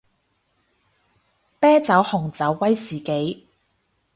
啤酒紅酒威士忌